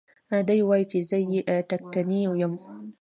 دى وايي چې زه يې ټکټنى يم.